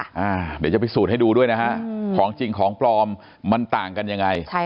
เดี๋ยวจะพิสูจน์ให้ดูด้วยนะฮะของจริงของปลอมมันต่างกันยังไง